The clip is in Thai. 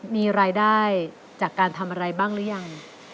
มีรายได้จากการทำอะไรบ้างหรือยัง